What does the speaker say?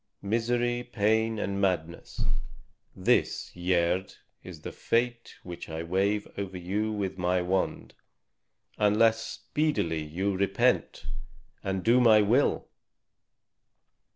Misery, pain, and madness this, Gerd, is the fate which I wave over you with my wand, unless speedily you repent and do my will."